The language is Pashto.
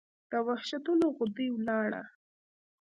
د وحشتونو ، غدۍ وَلاړه